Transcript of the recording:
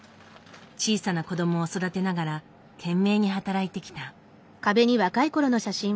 小さな子どもを育てながら懸命に働いてきた。